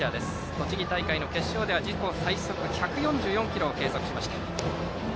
栃木大会の決勝では自己最速の１４４キロを計測しました。